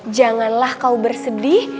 janganlah kau bersedih